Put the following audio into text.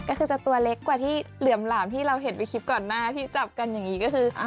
ก็คือจะตัวเล็กกว่าที่เหลือมหลามที่เราเห็นไปคลิปก่อนหน้าที่จับกันอย่างนี้ก็คือ